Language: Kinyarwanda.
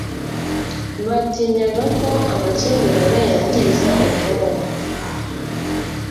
batinyaga ko amakimbirane yangiza ubukungu